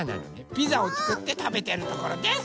ピザをつくってたべてるところです！